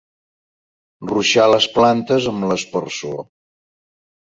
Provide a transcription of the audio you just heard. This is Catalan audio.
Ruixar les plantes amb l'aspersor.